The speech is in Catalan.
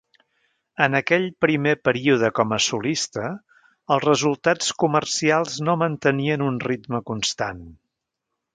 En aquell primer període com a solista, els resultats comercials no mantenien un ritme constant.